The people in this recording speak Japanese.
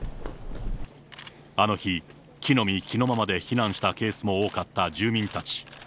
あの日、着のみ着のままで避難したケースも多かった住民たち。